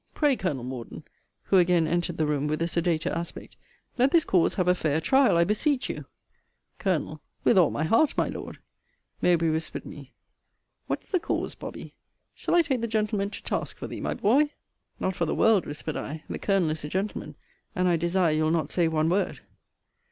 Pray, Colonel Morden, [who again entered the room with a sedater aspect,] let this cause have a fair trial, I beseech you. Col. With all my heart, my Lord. Mowbray whispered me, What is the cause, Bobby? Shall I take the gentleman to task for thee, my boy? Not for the world, whispered I. The Colonel is a gentleman, and I desire you'll not say one word.